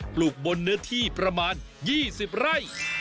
ปลูกบนเนื้อที่ประมาณ๒๐ไร่